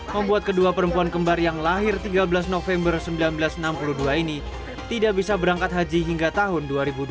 membuat kedua perempuan kembar yang lahir tiga belas november seribu sembilan ratus enam puluh dua ini tidak bisa berangkat haji hingga tahun dua ribu dua puluh